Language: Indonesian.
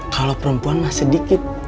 kalau perempuan mah sedikit